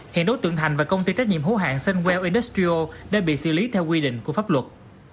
hiện đối tượng thành và công ty trách nhiệm hữu hạng sunwell industrial đã bị xử lý theo quy định của pháp luật